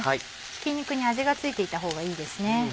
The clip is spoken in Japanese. ひき肉に味が付いていたほうがいいですね。